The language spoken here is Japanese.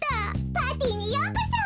パーティーにようこそ！